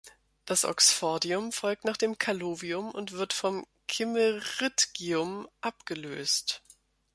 Das Oxfordium folgt nach dem Callovium und wird vom Kimmeridgium abgelöst.